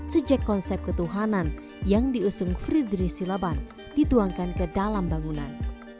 sejak konsep ketuhanan yang diusung fridri silaban dituangkan ke dalam bangunan